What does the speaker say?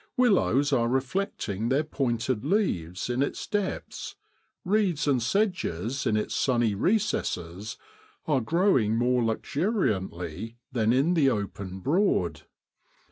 Willows are reflecting their pointed leaves in its depths, reeds and sedges in its sunny recesses are growing more luxuriantly than in the open Broad.